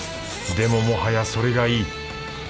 でももはやそれがいい。